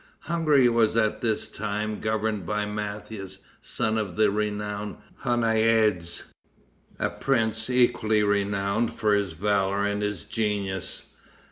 Hungary was at this time governed by Matthias, son of the renowned Hunniades, a prince equally renowned for his valor and his genius.